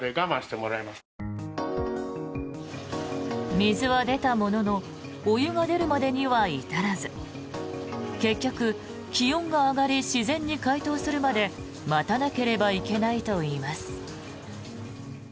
水は出たもののお湯が出るまでには至らず結局、気温が上がり自然に解凍するまで待たなければいけないといいます。